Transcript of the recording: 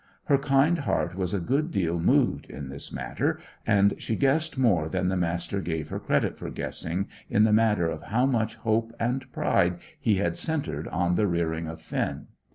Her kind heart was a good deal moved in this matter, and she guessed more than the Master gave her credit for guessing, in the matter of how much hope and pride he had centred on the rearing of Finn.